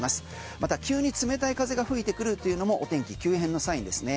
また急に冷たい風が吹いてくるというのもお天気急変のサインですね。